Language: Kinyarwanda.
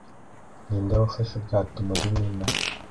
Ninde wafashe ubwato muri Nina